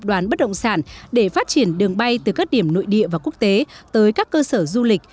đoán bất động sản để phát triển đường bay từ các điểm nội địa và quốc tế tới các cơ sở du lịch